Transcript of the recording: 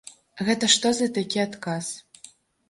Гэта што за такі адказ?